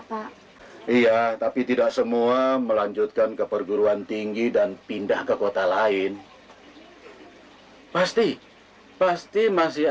iya tapi tidak semua melanjutkan ke perguruan tinggi dan pindah ke kota lain pasti pasti masih